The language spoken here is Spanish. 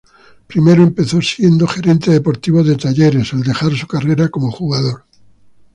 Primero empezó siendo Gerente Deportivo de Talleres al dejar su carrera como jugador.